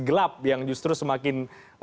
gelap yang justru semakin